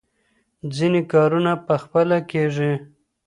ځینې کارونه په خپله کېږي.